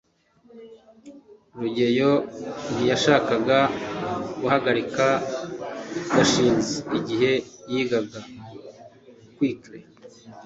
rugeyo ntiyashakaga guhagarika gashinzi igihe yigaga (qwerly